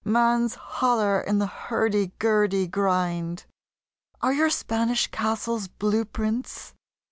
man's holler in the hurdy gurdy grind. Are your Spanish castles blue prints?